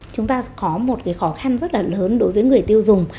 chúng ta có một khó khăn rất là lớn đối với người tiêu dùng